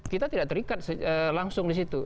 kita tidak terikat langsung di situ